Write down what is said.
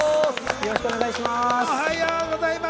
よろしくお願いします。